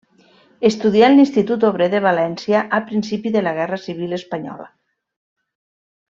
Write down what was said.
Estudià en l'Institut Obrer de València al principi de la Guerra Civil Espanyola.